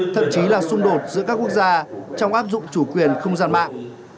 thậm chí là xung đột giữa các quốc gia trong áp dụng chủ quyền không gian mạng